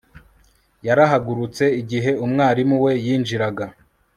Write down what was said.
Yarahagurutse igihe umwarimu we yinjiraga